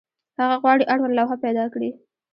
هغه غواړي اړوند لوحه پیدا کړي.